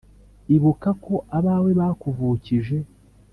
Ibuka ko abawe bakuvukije